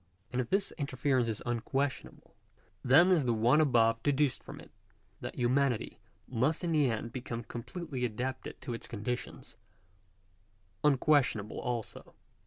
And if this inference is unquestionable, then is the one above deduced from it — that humanity must in the end become completely adapted to its conditions — unquestionable also.